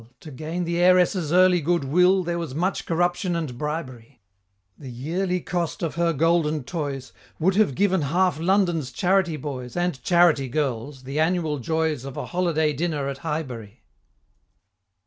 To gain the Heiress's early good will There was much corruption and bribery The yearly cost of her golden toys Would have given half London's Charity Boys And Charity Girls the annual joys Of a holiday dinner at Highbury.